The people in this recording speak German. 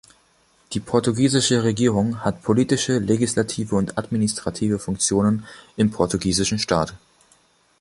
Die portugiesische Regierung hat politische, legislative und administrative Funktionen im portugiesischen Staat.